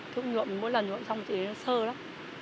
thuốc nhuộm mỗi lần nhuộm xong chị thấy nó sơ lắm